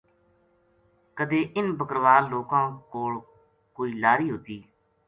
کَدے اِنھ بکروال لوکاں کول کوئی لاری ہوتی